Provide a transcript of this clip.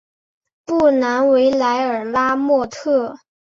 布兰维莱尔拉莫特。